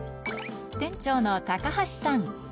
店長の高橋さん。